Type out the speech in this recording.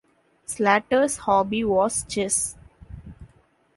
Slater's hobby was chess.